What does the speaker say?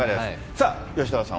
さあ、吉沢さん